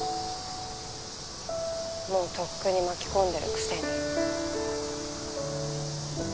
もうとっくに巻き込んでるくせに。